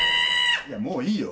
いやもういいよ。